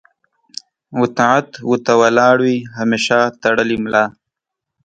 و طاعت و ته ولاړ وي همېشه تړلې ملا